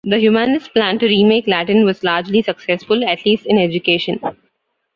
The humanist plan to remake Latin was largely successful, at least in education.